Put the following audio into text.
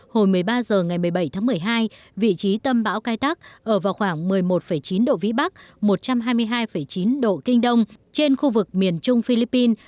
hồi một mươi ba h ngày một mươi bảy tháng một mươi hai vị trí tâm bão cái tác ở vào khoảng một mươi một chín độ vĩ bắc một trăm hai mươi hai chín độ kinh đông trên khu vực miền trung philippines